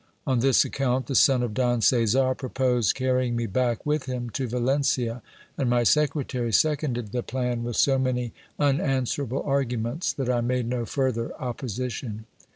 On this account the son of Don Carear proposed carry ing me back with him to Valencia ; and my secretary seconded the plan with so many unanswerable arguments, that I made no further opposition.